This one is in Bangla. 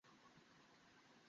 আমি খুঁজে বের করবো।